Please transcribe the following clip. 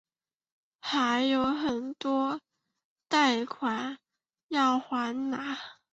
还有很多贷款要还哪